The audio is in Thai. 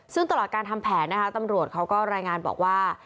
ซึ่งตลอดการทำแผนนะคะตำรวจเขาก็รายงานบอกว่า